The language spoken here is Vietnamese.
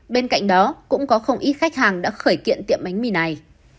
bên cạnh đó cũng có không ít khách hàng đã khởi kiện tiệm bánh mì này